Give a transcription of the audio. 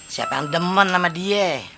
siapa yang demon sama dia